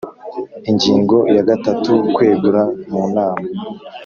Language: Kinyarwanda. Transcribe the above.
Ingingo ya gatatu Kwegura mu nama